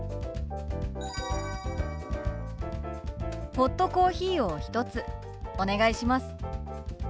ホットコーヒーを１つお願いします。